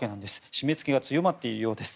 締め付けが強まっているようです。